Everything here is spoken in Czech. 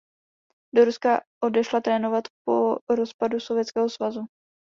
Do Ruska odešla trénovat po rozpadu Sovětského svazu.